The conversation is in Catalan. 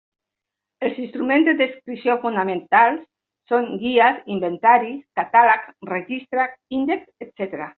Els instruments de descripció fonamentals són guies, inventaris, catàlegs, registres, índexs, etcètera.